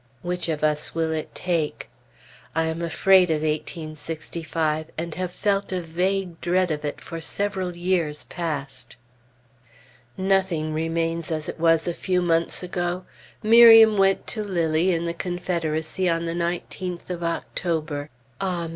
Which of us will it take? I am afraid of eighteen sixty five, and have felt a vague dread of it for several years past. Nothing remains as it was a few months ago. Miriam went to Lilly, in the Confederacy, on the 19th of October (ah!